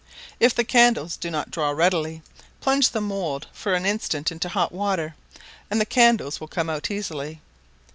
If the candles do not draw readily, plunge the mould for an instant into hot water and the candles will come out easily.